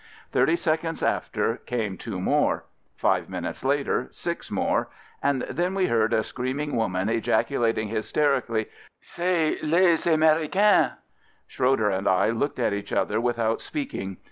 Thirty seconds after came two more — five minutes later six more — and then we heard a screaming woman ejaculating hysterically, "C'est les Ameri cains." Schroeder and I looked at each other without speaking.